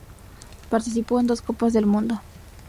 Participó de dos Copas del Mundo.